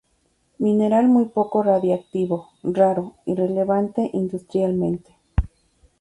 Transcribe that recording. Mineral muy poco radiactivo, raro, irrelevante industrialmente.